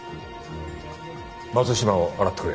松島を洗ってくれ。